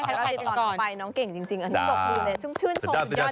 เราติดต่อน้องไปน้องเก่งจริงอันนี้บอกดีเลย